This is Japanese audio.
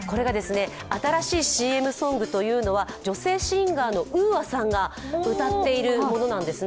新しいＣＭソングは女性シンガーのＵＡさんが歌っているものなんですね。